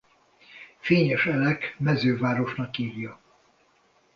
Fényes Elek mezővárosnak írja.